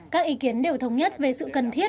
các ý kiến đều thống nhất về sự cần thiết